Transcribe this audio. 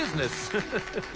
ハハハハハ。